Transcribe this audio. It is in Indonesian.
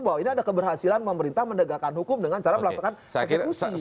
bahwa ini ada keberhasilan pemerintah mendegakan hukum dengan cara melaksanakan eksekusi